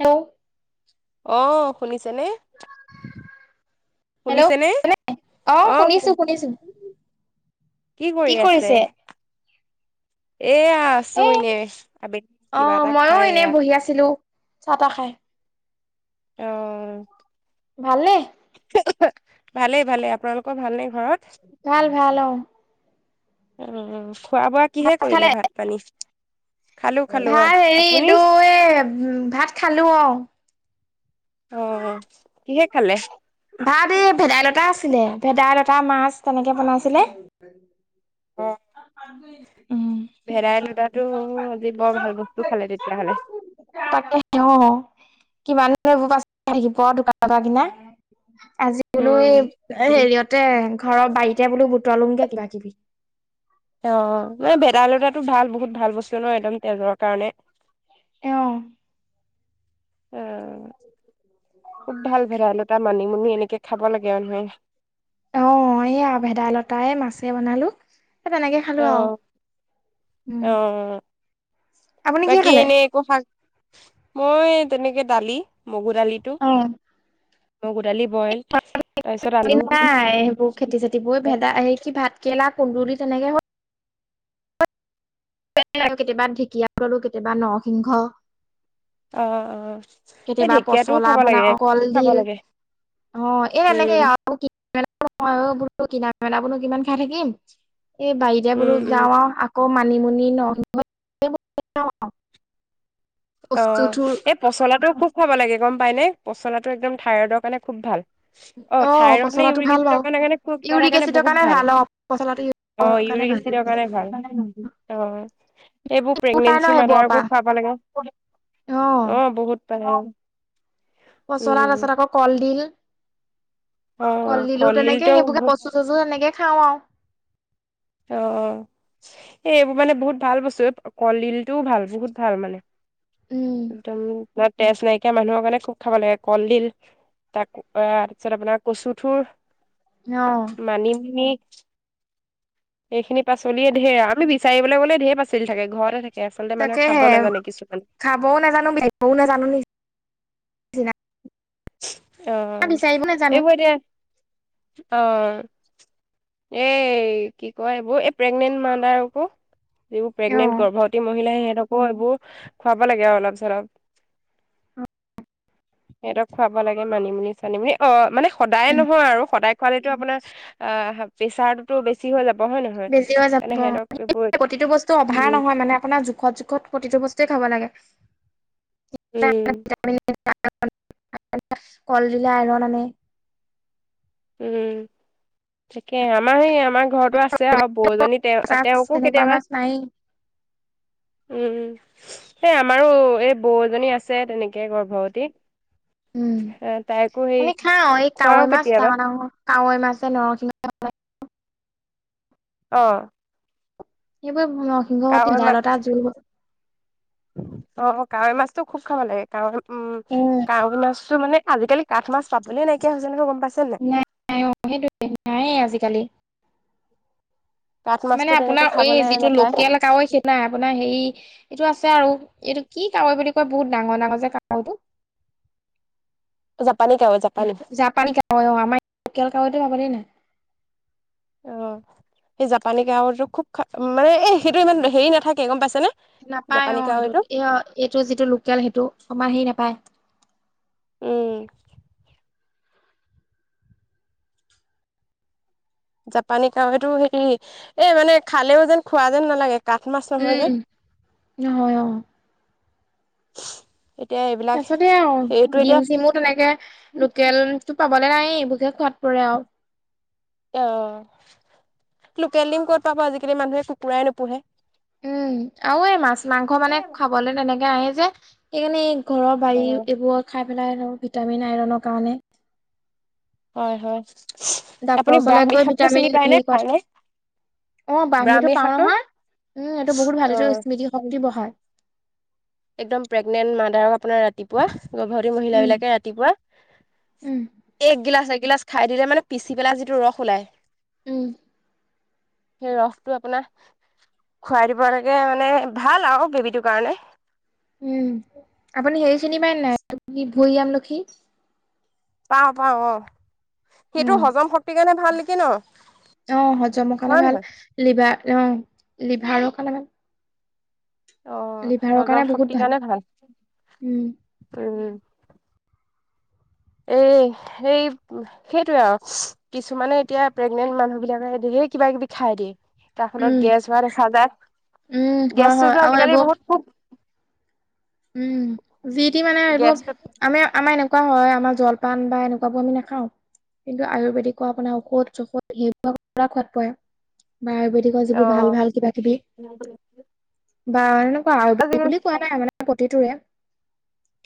Hello অ শুনিছেনে? Hello শুনিছেনে? শুনিছো অ' শুনিছো কি কৰি আছে এয়া আছো এ এনে আবেলি কিবা এটা খাই এয়া। চাহ-তাহ খায়। অ'। ভালনে ভালেই ভালে আপোনালোকৰ ভালনে ঘৰত ভাল ভাল অ উ'ম খোৱা বোৱা কিহে ভাত খালে কৰিলে ভাত পানী। খালো খালো ভাত হেৰি আপুনি? এইটো এ! ভাত খালো অ' অ' কিহে খালে? ভাত এই ভেদাইলতা আছিলে, ভেদাইলতা মাছ তেনেকে বনাইছিলে। অ'। [unintelligible] ভেদাইলতাটো আজি বৰ ভাল বস্তু খালে, তেতিয়াহলে। কিমাননো এইবোৰ ফাষ্টফুড খাই থাকিব। দোকানৰ পৰা কিনা। আজি কোনোৱে উম। এ হেৰিহতে ঘৰৰ বাৰী এতিয়া বোলো বুতুৱালু্ঙগে কিবাকিবি। অ', মানে ভেদাইলতাটো ভাল, বহুত ভাল বস্তু ন। একদম তেজৰ কাৰণে। অ'। অ', খুব ভাল ভেদাইলতা, মানিমুনি এনেকে খাব লাগে। এনেকে খাব লাগে আৰু ধুনিয়াকৈ। অ', এইয়া ভেদাইলতায়ে মাছে বনালো। সেই তেনেকে খালো আৰু অ', উম অ', আপুনি কিহে বাকী খালে? এনেই ফাক মই তেনেকে দালি মুগু দালিটো অ মগু দালি বইল তাৰপিছত আলু নাই, অ সেইবোৰ খেতি-চেতিবোৰ ভেদা, সেই কি ভাত কেৰেলা, কুন্দুলি তেনেকে হ আৰু কেতিয়াবা ঢেকীয়া ললোঁ, কেতিয়াবা নৰসিংহ অ এই কেতিয়াবা ঢেকীয়াটোও পচলা খাব লাগে বনাও খুব খাব কলডিল। লাগে অ', এই তেনেকেই উম আৰু ময়ো বোলো কিনা [inaudible] বোৰ ন' কিমান খাই থাকিম। এই বাৰীতে উম বোলো উম যাওঁ আৰ, আকৌ মান মানিমুনি ন [unintelligible] কচু অ', থুৰ এই পচলাটো খুব খুৱাব লাগে গম পাই নে। পচলাটো একদম থাইৰইডৰ কাৰণে খুব ভাল। অ', থাইৰইড নে পচলাটো ইউৰিক ভাল এচিডৰ বাৰু কাৰণে-কানে খুব, কিবা এটা ইউৰিক কাৰণে এচিডৰ বহুত ভাল। অ পচলাটো ইউৰিক অ', কাৰণে ইউৰিক এচিডৰ ভাল কাৰণে ভাল, অ। এইবোৰ পাই ন প্ৰেগনেঞ্চি সেইবোৰৰ পৰা মাডাৰকো খুৱাব লাগে। অ', বহুত [unintelligible] পচলাৰ উম পাছত আকৌ কলডিল অ কলডিলো তেনেকে, কলডিলটো সেইবোৰকে বহুত কচু-তচু সেনেকে খাওঁ আও। অ'! এ, এইবোৰ মানে বহুত ভাল বস্তু। অ'! কলডিলটো ভাল, বহুত ভাল মানে। একদম [unintelligible] তেজ নাইকিয়া মানুহৰ কাৰণে খুব খাব লাগে, কলডিল। তাকো এ, তাৰপিছত আপোনাৰ কচুৰ থুৰ অ মানিমুনি সেইখিনি পাচলিয়েই ধেৰ আৰু আমি বিচাৰিবলৈ গ'লে ধেৰ পাচলি থাকে। ঘৰতে থাক তাকেহে, খাবও নাজানো, [unintelligible] নাজানো নি-নিচিনা। [unintelligible] অ'! নাজানো এইবোৰ এতিয়া, অ'! এই কি কয় এইবোৰ, এই প্ৰেগনেন্ট মাদাৰ আকৌ। যিবোৰ অ প্ৰেগনেণ্ট গৰ্ভৱতী মহিলা সে [unintelligible] এইবোৰ, খুৱাব লাগে আৰু অলপ চলপ। সিহঁতক খুৱাব লাগে, মানিমুনি চানিমুনি অ'! মানে সদায় নহয় আৰু সদায় পোৱালিটো আপোনাৰ আ' প্ৰেছাৰতো বেছি হৈ যাব। বেছি হৈ যাব। সেইকাৰণে সিহঁতক এইবোৰ প্ৰতিটো বস্তু অভাৰ উম নহয় মানে, আপোনাৰ জোখত, জোখত প্ৰতিটো বস্তুৱে খাব লাগে। [inaudible] উম [unintelligible] কলদিলে আইৰন আনে। উম! ঠিকে আমাৰ সে আমাৰ ঘৰতো আছে আৰু বৌ এজনী তে তেওঁকো তেনেকুৱা কেতিয়াবা, মাছ নায়েই উম! এ, আমাৰো এই বৌ এজনী আছে তেনেকে গৰ্ভৱতী। উম অ'! তাইকো সেই আমি খাওঁ এই কাৱৈ খুৱাওঁ মাছ কেতিয়াবা। ডাঙৰ ডাঙৰ কাৱৈ মাছে নৰসিংহ ভাল লাগে। অ'! সেইবাৰে নৰসিংহ সৈতে কাৱৈ মাছ ভেদাইলতা জোল। অ কাৱৈ মাছটো খুব খাব লাগে। কাৱৈ উম, কাৱৈ মাছটো মানে আজিকালি কাঠ মাছ পাবলৈ নাইকিয়া হৈছে নহয় গম নাই অ'! সেইটোৱে নায়েই আজিকালি। কাঠ মানে, মাছটো তেনেকে আপোনাৰ এই খাবলে যিটো, নাপায় লোকেল কাৱৈ সেই নাই আপোনাৰ হেৰি এইটো আছে আৰু এইটো কি কাৱৈ বুলি কয় বহুত ডাঙৰ ডাঙৰ যে কাৱৈটো। জাপানী কাৱৈ জাপানী জাপানী কাৱৈ আমাৰ লোকেল কাৱৈ পাবলে নাই। অ সেই জাপানী কাৱৈটো খুব খা মানে সেইটো ইমান হেৰি নাথাকে গম পাইছ নাপায় অ সেইটোত এ এইটো যিটো লোকেল সেইটো অমান হেৰি নাপায়। [unintelligible] জাপানী কাৱৈটো হেৰি এ মানে খালেও যেন খোৱা যেন নালাগে। কাঠ মাছ নহয় যে উম হয় অ। এতিয়া এইবিলাক তাৰ পাছতে আৰু সেইটো দিম এতিয়া চিমো তেনেকে লোকেলটো পাবলে নাই এইবোৰ খোৱাত পৰাও অ লোকেল ডিম ক'ত পাব আজিকালি মানুহে কুকুৰাই নোপোহে। উম আৰু এই মাছ-মাংস মানে খাবলৈ তেনেকে আহি যে এইকাৰান ঘৰৰ অ বাৰী এইবোৰ খাই। পেলাই আৰু ভিটামিন আইৰনৰ কাৰণে। হয়-হয় ডাক্তৰৰ ওচৰলৈ গৈ ভিটামিন হেৰি ক খায়নে অ' বাহ্মীটো ব্ৰাহ্মী পাও শাকটো নহয়। উম। এইটো বহুত অ ভালো স্মৃতি শক্তি বঢ়ায়। একদম প্ৰেগনেণ্ট মাদাৰক আপোনাৰ ৰাতিপুৱা। গৰ্ভৱতী মহিল উম বিলাকে ৰাতিপুৱা উম এক গিলাছ। এইগিলাচ খাই দিলে মানে পিচি পেলাই যিটো ৰস ওলায়। উম। সেই ৰসটো আপোনাৰ খুৱাই দিব লকে মানে ভাল আৰু বেবিটোৰ কাৰণে। উম। আপুনি হেৰি চিনি পায় ন নাই? হৈূৰিয়াম লখী। পাৱ পাৱ। উম সেইটো হজম শক্তিৰ কাৰণে ভাল লি ক ন অ' হজম খা হয় ভাল। নহয় লিবাৰ। অ' লিভাৰৰ কাৰণামে আহ। সজৰ শক্তিৰ কাৰণে ভাল। উম উম। এই সেই সেইটয়ে আৰু কিছুমানে এতিয়া প্ৰেগনেন্ট মানুহ বিলাকে ধৰ কিবা কিবি খাই দিয়ে। তাৰ ফলত উম গেছ ম স উম যায় হয় হয় গেছটোতো আৰু আজিকালি এইবোৰ বহুত খুব। উম। যি টি মানে এইবোৰ, গেছটো আমি আমাৰ এনেকা এনেকুৱা হয় আমাৰ জলপান বা এনেকুৱাবোৰ আমি নাখাও কিন্তু আয়ুৰ্বেদিকো আপোনাৰ ঔষধ চষধ সেইবোৰ পৰা খোৱাদ পায়। বা আয়ুৰ্বেদিকৰ অ যিবোৰ ভাল ভাল কিবা কিবি। [unintelligible] [unintelligible] আজিকালি বুলি কোৱা নাই মানে। প্ৰতিটোৰে।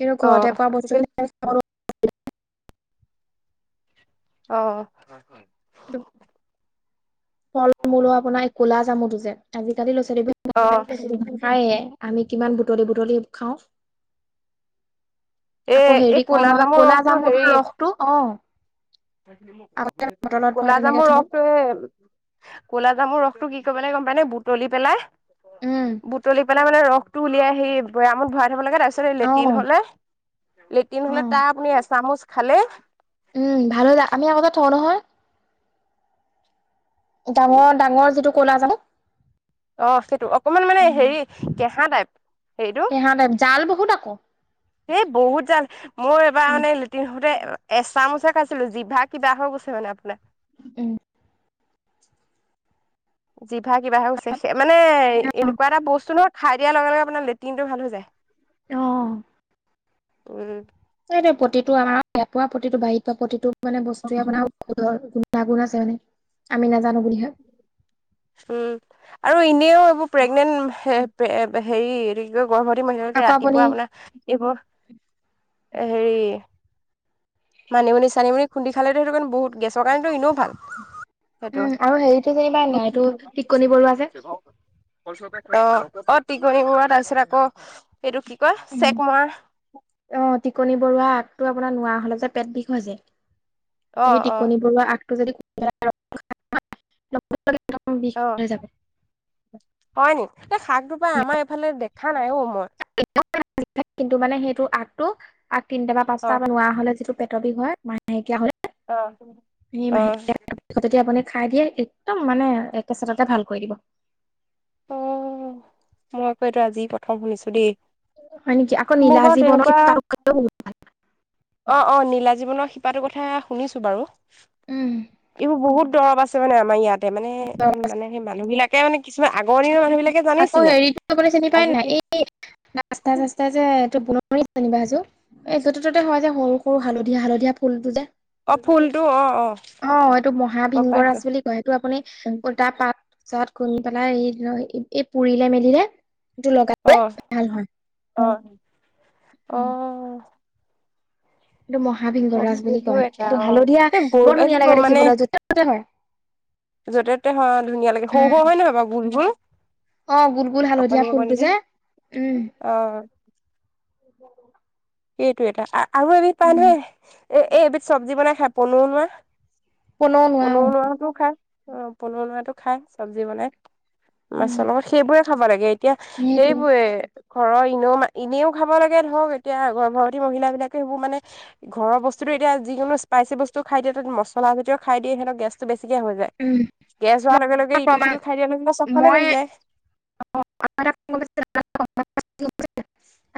কিন্তু অ ঘৰতে পোৱা বস্তু আজিকালি খিনি। অ' ৰ [unintelligible] ফল মূলো আপোনাৰ কোলা জামুটো যে। আজিকালি। অ [unintelligible] আমি কিমান। বুটলি-বুটলি খাওঁ। এ, আকৌ এই হেৰি কওঁ কলা নহয় জামৰ ৰসটো হেৰি, জামুটোৰ ৰসটো অ' আগতে বটলত ভৰাই কলা তেনেকে জামৰ থওঁ। ৰসটো, কলা জামৰ ৰসটো কি। ক মানে গম পাই নে বুটলি পেলাই। উম, বুটলি পেলাই মানে ৰস। উলিয়াই হেৰি বৈয়ামত ভৰাই লাগে তাৰপিছত লেট্টিন অ', হলে। লেট্ৰিন হ'লে অ', তাৰ আপুনি আছে। চামুচ খালে। উম ভালো আমি আগতে থওঁ নহয়। ডাঙৰ -ডাঙৰ যিটো ক'লা জামুক। অ' সেইটো অকমান মানে হেৰি কেহা টাইপ ইহঁতে জাল বহুত আকৌ। সেই বহুত জাল। মোৰ এবাৰ উম মানে লেট্ৰিন হওঁতে এচামুছহে খাইছিলো জিভা কিবা হৈ গৈছে মানে আপোনাৰ। উম। জিভা কিবা হৈ হৈছে স মানে এনেকুৱা এটা বস্তু ন খাই দিয়াৰ লগে -লগে আপোনাৰ লেট্ৰিনটো ভাল হৈ যায়। অ' উম। তাই প্ৰতিটো আমাৰ এপুৱা প্ৰতিটো বাহিৰত পোৱা প্ৰতিটো। মানে বস্তুৱে আপোনাৰ উম ঔষধৰ। [unintelligible] আছে মানে আমি নাজানো উম- বুলিহে উম আৰু ই এও এইবোৰ প্ৰেগনেণ্ট মানুহে। এপ হেৰি গৰ্ভৱতী মহিলৈকে আকৌ আপুনি ৰাতিপুৱা আপোনাৰ এইবোৰ এ হেৰি মানিমুনি-চানিমুনি খুন্দী খালেতো সেইটো বহুত গেছৰ কাৰণেতটো এনেও ভাল। সেইটো উম আৰু হেৰিটো যেনিবা নাইটো টিকনি বৰুৱা যে। অ টিকনি মুৱা তাৰপাছত আকৌ এইটো কি কয় উম চেকমাহ টো আপোনাৰ নোৱা হলে যে পেট বিষ হয় যে। অ সেই অ টিকনি বৰুৱা আগটো যদি [unintelligible] বিষ অ হৈ যাব। হয় নি এই শাক দুপা আমাৰ এইফালে দে দেখা নাই অ মই। কিন্তু মানে সেইটো আগটো আৰু তিনিটা বা অ পাঁচটা বনোৱা হ'লে যিটো পেটৰ বিষ হয় মাহেকীয়া হলে। অ এ অ মাহেকিয়া তেতিয়া আপুনি খাই দিয়ে একদম মানে একে চততে ভাল কৰি দিব। অ মই আকৌ এইটো আজি প্ৰথম শুনিছো দেই। হয় নেকি আকৌ মোৰ নীলা বাৰু জীৱনৰ তাতোকৈও বহুত অ-অ নীলা জীৱনৰ শিপাটোৰ কথা শুনিছো বাৰু উম এইবোৰ বহুত দৰৱ আছে মানে আমাৰ ইয়াত। তে মানে-মানে সেই মানুহ বিলাক কেওনি আকৌ হেৰিতো আপুনি চিনি পায় আজি নে কি নাই এই ৰাস্তাই-চাস্তাই যে এইটো বোনত, তোমালোকে জনিবা সেইটো এই য'তে-ত'তে হয় যে সৰু-সৰু হালধীয়া হালধীয়া ফুলটো যে। অ ফুলটো অ অ অ' এইটো মহা গম ভিংগ পাইছো ৰাজ বুলি কয় এইটো আপুনি উলটা পাত, চাত কোনটা নাই এই এ পুৰিলে মেলিলে এইটো লগালে ভাল হয় অহ-অহ-অহ, একটো মহাবভিংগ ৰাজ বুলি সেইটো কয় এটা একটো অ হালধীয়া এই গৰু বৰ ধুনীয়া এইটো লাগে মানে দেখিবলৈ য'তে ত'তে হয়। য'তে ততে হয় ধুনীয়া লাগে উম সৰু-সৰু হয় নে বাৰু গোল-গোল। অ গোল-গোল হালধীয়া ফুলটো যে উম। অ এইটো এটা আ আৰু এবিধ পায় উম, নহয় এ-এ-এবিধ চব্জি বনাই খাই, পনো কোনেও [unintelligible] নোৱাৰো পনো [unintelligible] খাই অ', পনু ওলোৱাটো খাই চব্জি বনাই। উম, মাছৰ লগত সেইবোৰে খাব লাগে, এতিয়া সেইটো সেইবোৰে ঘৰৰ এনেও মা এনেও খাব লাগে ধৰক এতিয়া গৰ্ভৱতী মহিলাবিলাকে সেইবোৰ মানে ঘৰৰ বস্তুটো এতিয়া যিকোনো স্পাইচি বস্তু খায় দিয়াটোত মছলা জাতীয় খাই দিয়ে সিহঁতৰ গেছটো বেছি হৈ যায় উম, গেছ হোৱাৰ লগে, লগে ইটো প্ৰমাণ সিটো খাই দিয়া লগে চবফালে বাঢ়ি যায়। [unintelligible]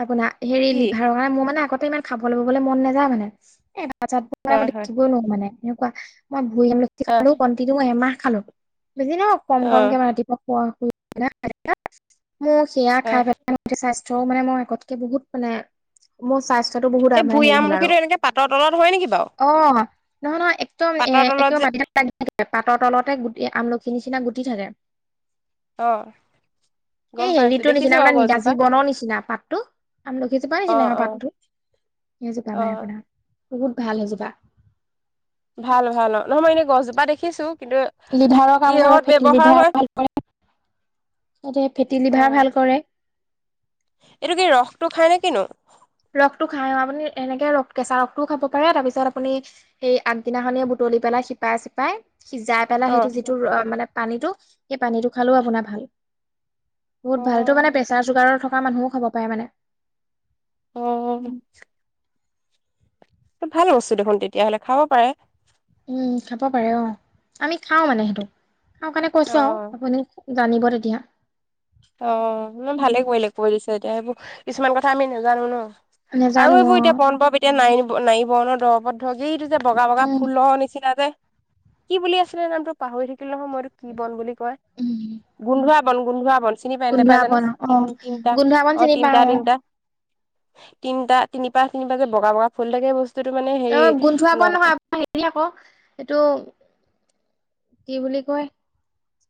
আপোনা হেৰি কি? লিভা ৰঙা মোৰ মানে আগ ইমান খাবলে ববলে মন নাযায় মানে এ [unintelligible] মই হয় হয় দেখিবই নোৱাৰো মানে অ [unintelligible] [unintelligible] কণ্টিনিউ এমাহ খালো বেছি নহয় কম, অ কমকে মানে ৰাতিপুৱা [unintelligible] [inaudible] মোৰ সেয়া অ খায় পেলাই [unintelligible] মানে মই [unintelligible] বহুত মানে মই চা এই ভূঞ আমলখি এনেকে পাতৰ তলত হয়, নেকি বাৰু? অ', নহয়, নহয় একদম এ, পাতৰ তলত একে যে মাটিত লাগি থাকে পাতৰ তলতে গুট এ, আমলখি নিচিনা গুটি থাকে। অ'। গম এই পাইছো হেৰিটোৰ দেখিছো নিচিনা বাৰু আপোনাৰ গছজোপা নিগাজি বনৰ নিচিনা পাতটো, আমলখিজোপাৰ অ নিচিনাই অ পাতটো, অ [unintelligible] আপোনাৰ। বহুত ভাল হৈ যিবা। ভাল ভাল, অ', নহ মই এনেই গছজোপা দেখিছো, কিন্তু লিভাৰৰ কাম কৰে কিহত ফেটি ব্যৱহাৰ হয় এইটোৱে ফেটি অ লিভাৰ ভাল কৰে। এইটো কি ৰসটো খাই নে কিনো? ৰসটো খাই অ', আপুনি এনেকে ৰ কেঁচা ৰসটোও খাব পাৰে, তাৰ পিছত আপুনি সেই আগদিনাখনিয়ে বুটলি পেলাই শিপাই চিপাই সিজাই পেলাই অ'। সেইটো যিটো মানে পানীটো সেই পানীটো খালেও আপোনাৰ ভাল। বহুত ভালো মানে অ', প্ৰেচাৰ চুগাৰৰ থ কা মানুহো খাব পাৰে মানে। আহ। ভাল বস্তু দেখোন তেতিয়াহলে খাব পাৰে। উম খাব পাৰে অ আমি খাও মানে সেইটো। খাওঁ কাৰণে অ'। কৈছো আপুনি জানিব তেতিয়া? অ ম ভালে কৰিলে কৰি দিছে। তেতিয়া সেইবোৰ কিছুমান কথা আমি নাজানো ন। আৰু নেজানো এইবোৰ এতিয়া অ', পণ পৱ এতিয়া নাই। নাই বৰণৰ দৰবত ধক এইটো যে বগা বগা উম, ফুল নিচিনা যে কি বুলি আছিলে নামটো পাহৰি থাকি সময়তটো কি বন বুলি কয় উম, গোন্ধোৱা বন গোন্ধোৱা বন চিনি পাই নেপাই গোন্ধোৱা জানো বন তি অ', তিনটা গোন্ধোৱা বন অ চিনি তিনটা পাওঁ অ', তিনটা তিনিটা তিন পাৰ তিনিিবাজাত বগা বগা ফুল থাকে বস্তু অ গোন্ধোৱা পোৱা নহয় আপোনাৰ হেৰি আকৌ এইটো কি বুলি কয়?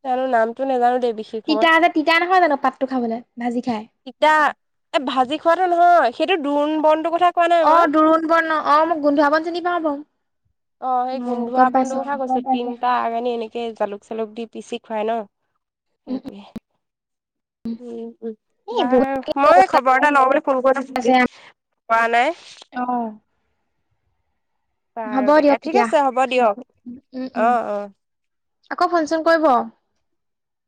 তো নামটো নেজানো দে তিতা যে তিতা নহয় জানো পাতটো খাবলৈ ভাজি খাই তিতা এ ভাজি খোৱাাতটো নহয় সেই ডোন বন্ টো। কথা কোৱা নাই অ মই দুৰোণ বৰ্ণ অ মোক গোন্ধিয়াবন চিনি পাওঁ বাৰ অ গম পাইছো অ আ আনি এনেকে জালুক চালুক দি পিচি খুৱাই ন উম, উম, সেইটোৱে উ উ এই বাৰ বহুত মই খবৰ এটা লওঁ বুলি ফোন আছে কৰিছিল কৰা নাই অ', বাৰ হ'ব দিয়ক তেতিয়া ঠিক আছে হ'ব দিয়ক উম, উম, অ অ। আকৌ ফোন চোন কৰিব।